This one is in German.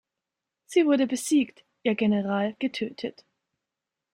Sie wurde besiegt, ihr General getötet.